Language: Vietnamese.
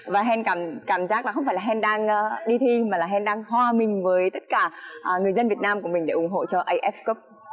và hèn cảm giác là không phải là hèn đang đi thi mà là hèn đang hòa mình với tất cả người dân việt nam của mình để ủng hộ cho uaff cup